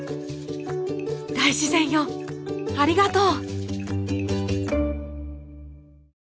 大自然よありがとう！